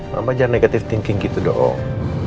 mama jangan negative thinking gitu doang